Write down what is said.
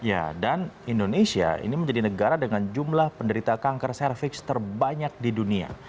ya dan indonesia ini menjadi negara dengan jumlah penderita kanker cervix terbanyak di dunia